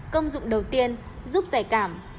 công dụng đầu tiên giúp giải cảm